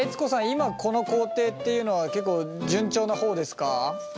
今この工程っていうのは結構順調な方ですか？